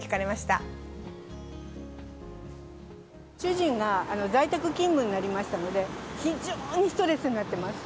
主人が在宅勤務になりましたので、非常にストレスになってます。